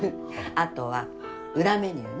あとは裏メニューね。